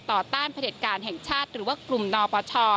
ต่อต้านประเด็ดการแห่งชาติหรือว่ากลุ่มนอปช